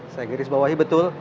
saya iris bawahi betul